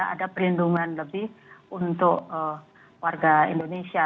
ada perlindungan lebih untuk warga indonesia